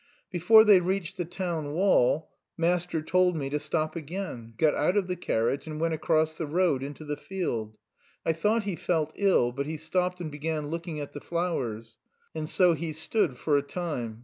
Before they reached the town wall "master told me to stop again, got out of the carriage, and went across the road into the field; I thought he felt ill but he stopped and began looking at the flowers, and so he stood for a time.